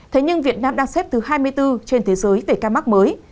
thế nhưng việt nam đang xếp thứ hai mươi bốn trên thế giới về ca mắc mới